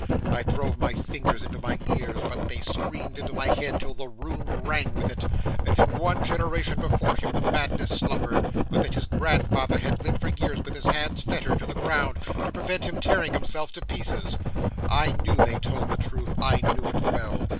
I drove my fingers into my ears, but they screamed into my head till the room rang with it, that in one generation before him the madness slumbered, but that his grandfather had lived for years with his hands fettered to the ground, to prevent his tearing himself to pieces. I knew they told the truth I knew it well.